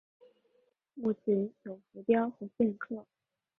墓群内有浮雕和线刻。